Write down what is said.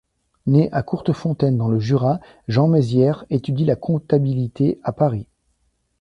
Né à Courtefontaine dans le Jura, Jean Mézière étudie la comptabilité à Paris.